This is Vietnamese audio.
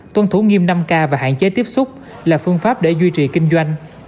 tuân thủ nghiêm năm k và hạn chế tiếp xúc là phương pháp để duy trì kinh doanh